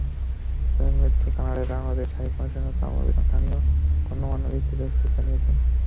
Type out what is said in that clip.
তাঁর মৃত্যুতে কানাডায় বাংলাদেশের হাইকমিশনার কামরুল ইসলামসহ স্থানীয় গণ্যমান্য ব্যক্তিরা শোক জানিয়েছেন।